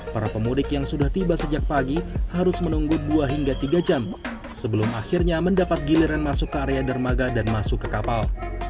para pemudik yang sudah tiba sejak pagi harus menunggu dua hingga tiga jam sebelum akhirnya mendapat giliran masuk ke area dermaga dan masuk ke kapal